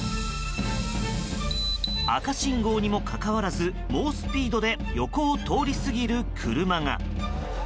赤信号にもかかわらず猛スピードで横を通り過ぎる車が。